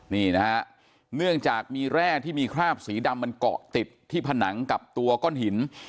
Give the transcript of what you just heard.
นี่นะฮะเนื่องจากมีแร่ที่มีคราบสีดำมันเกาะติดที่ผนังกับตัวก้อนหิน